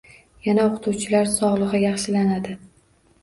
Yana o‘qituvchilar sog‘ligi yaxshilanadi